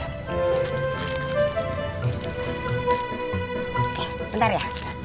oke bentar ya